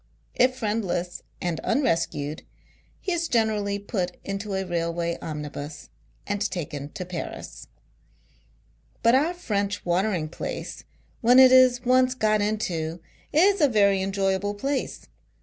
If friendless and uurescued, he is generally put into a railway omnibus and taken to Paris. But, our French watering place when it is , once got into, is a very enjoyable place. It VOL.